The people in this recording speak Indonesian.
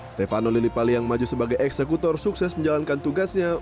stefano lillipali yang maju sebagai eksekutor sukses menjalankan tugasnya